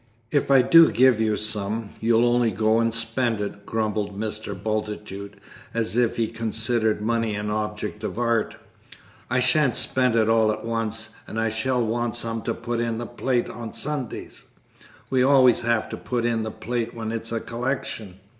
"If I do give you some, you'll only go and spend it," grumbled Mr. Bultitude, as if he considered money an object of art. "I shan't spend it all at once, and I shall want some to put in the plate on Sundays. We always have to put in the plate when it's a collection.